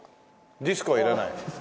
ディスコはいらない？